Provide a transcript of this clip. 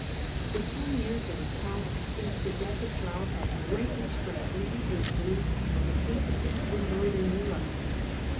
The ten years that had passed since the death of Charles had greatly strengthened the influence of the Papacy in Northern Europe.